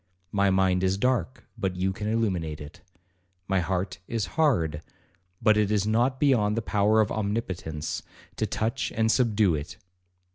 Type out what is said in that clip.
My mind is dark, but you can illuminate it. My heart is hard, but it is not beyond the power of omnipotence to touch and subdue it.